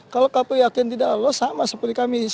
kalau kpu yakin tidak lolos sama seperti kami